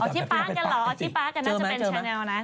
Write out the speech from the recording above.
เอาที่ป๊ากกันเหรอเอาที่ป๊ากกันน่าจะเป็นแชนแนลนะ